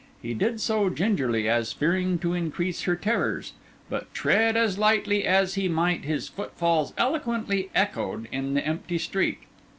He did so gingerly, as fearing to increase her terrors; but, tread as lightly as he might, his footfalls eloquently echoed in the empty street.